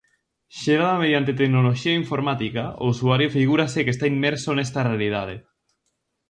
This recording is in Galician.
Xerada mediante tecnoloxía informática, o usuario figúrase que está inmerso nesta realidade.